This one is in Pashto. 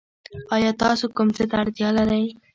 ایا تاسو کوم څه ته اړتیا لرئ؟